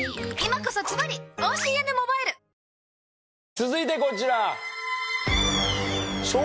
続いてこちら。